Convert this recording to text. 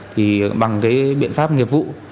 thì bằng cái biện pháp nghiệp vụ